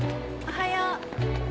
おはよう。